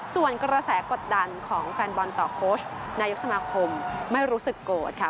ส่วนกระแสกดดันของแฟนบอลต่อโค้ชนายกสมาคมไม่รู้สึกโกรธค่ะ